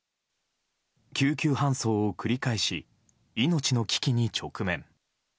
救急搬送を繰り返し、命の危機に直面。